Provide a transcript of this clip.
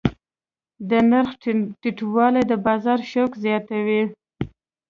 د نرخ ټیټوالی د بازار شوق زیاتوي.